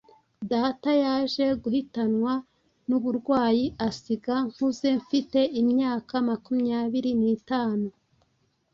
Data yaje guhitanwa n’uburwayi, asiga nkuze mfite imyaka makumyabiri n’itatu.